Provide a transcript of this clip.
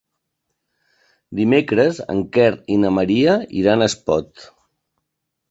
Dimecres en Quer i na Maria iran a Espot.